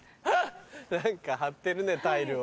何か貼ってるねタイルを。